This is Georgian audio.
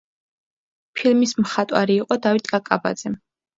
ფილმის მხატვარი იყო დავით კაკაბაძე.